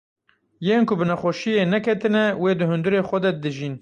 Yên ku bi nexweşiyê neketine, wê di hundirê xwe de dijîn.